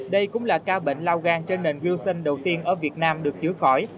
đây cũng là ca bệnh lao gan trên nền winston đầu tiên ở việt nam được chữa khỏi